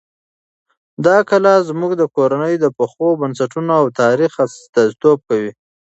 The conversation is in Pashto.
دا کلا زموږ د کورنۍ د پخو بنسټونو او تاریخ استازیتوب کوي.